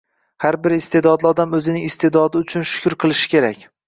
Har bir iste’dodli odam o‘zining iste’dodi uchun shukr qilishi kerak.